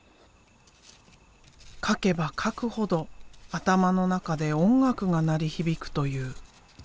描けば描くほど頭の中で音楽が鳴り響くという。